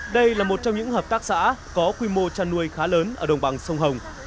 đây là một trong những hợp tác xã có quy mô chăn nuôi khá lớn ở đồng bằng sông hồng